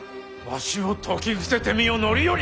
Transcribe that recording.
わしを説き伏せてみよ範頼！